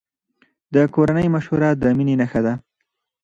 د کورنۍ مشوره د مینې نښه ده.